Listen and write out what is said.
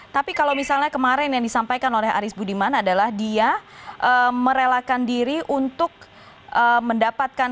tapi kalau misalnya kemarin yang disampaikan oleh aris budiman adalah dia merelakan diri untuk mendapatkan